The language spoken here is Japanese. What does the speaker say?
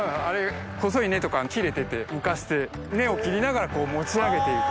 細い根とか切れてて浮かして根を切りながら持ち上げて行く。